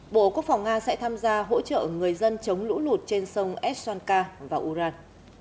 bộ quốc phòng nga sẽ tham gia hỗ trợ người dân chống lũ lụt trên sông aswanka và uran